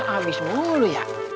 abis mulu ya